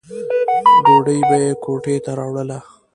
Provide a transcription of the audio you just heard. ډوډۍ به یې کوټې ته راوړله.